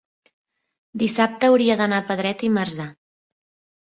dissabte hauria d'anar a Pedret i Marzà.